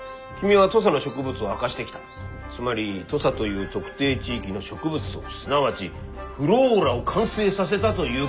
つまり土佐という特定地域の植物相すなわちｆｌｏｒａを完成させたということだよ。